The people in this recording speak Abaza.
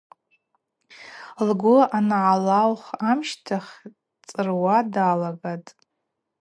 Лгвы ангӏалаух амщтахь дцӏыруа далагатӏ.